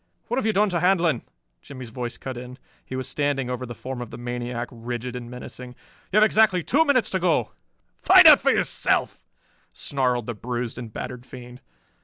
"What have you done to Handlon?" Jimmie's voice cut in. He was standing over the form of the maniac, rigid and menacing. "You have exactly two minutes to go." "Find out for yourself!" snarled the bruised and battered fiend.